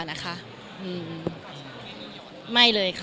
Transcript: ไม่เลยค่ะไม่เลยค่ะ